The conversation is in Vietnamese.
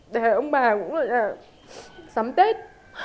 để ông bà cũng ở nhà sắm tết